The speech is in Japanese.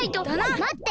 まって！